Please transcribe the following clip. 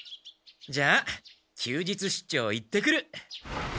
じゃあ休日出張行ってくる。